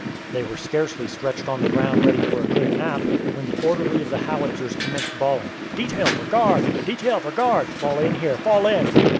They were scarcely stretched on the ground ready for a good nap, when the orderly of the Howitzers commenced bawling, "Detail for guard! detail for guard! Fall in here; fall in!"